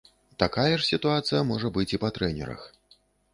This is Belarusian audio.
Такая ж сітуацыя можа быць і па трэнерах.